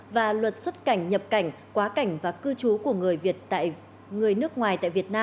và luật xuất cảnh nhập cảnh quá cảnh và cư trị